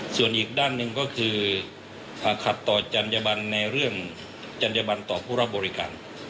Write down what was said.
ส่วนอีกด้านหนึ่งก็คือขัดต่อจัญญบันในเรื่องจัญญบันต่อผู้รับบริการ